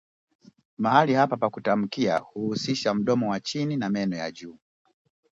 Mahali hapa pa kutamkia huhusisha mdomo wa chini na meno ya juu